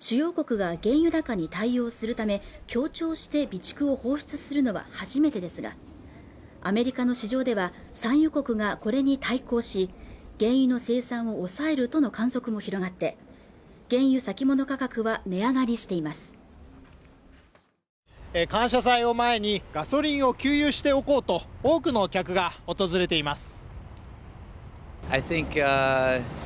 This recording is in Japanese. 主要国が原油高に対応するため協調して備蓄を放出するのは初めてですがアメリカの市場では産油国がこれに対抗し原油の生産を抑えるとの観測も広がって原油先物価格は値上がりしています感謝祭を前にガソリンを給油しておこうと多くの客が訪れています